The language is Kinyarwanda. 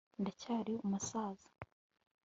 Ndacyari umusaza